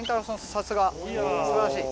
さすが。素晴らしい。